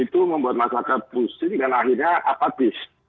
itu membuat masyarakat pusing dan akhirnya apatis